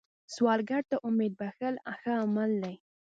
سوالګر ته امید بښل ښه عمل دی